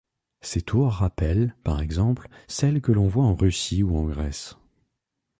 Ces tours rappellent, par exemple, celles que l’on voit en Russie ou en Grèce.